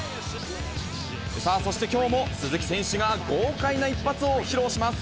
さあ、そしてきょうも、鈴木選手が豪快な一発を披露します。